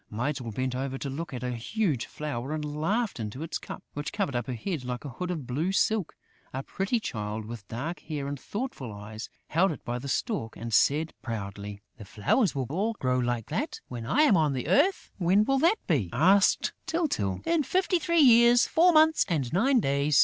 Mytyl bent over to look at a huge flower and laughed into its cup, which covered up her head like a hood of blue silk. A pretty Child, with dark hair and thoughtful eyes, held it by the stalk and said, proudly: "The flowers will all grow like that, when I am on earth!" "When will that be?" asked Tyltyl. "In fifty three years, four months and nine days."